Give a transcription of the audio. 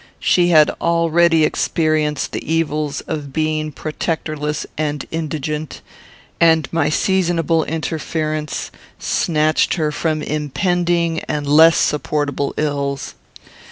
She had already experienced the evils of being protectorless and indigent, and my seasonable interference snatched her from impending and less supportable ills.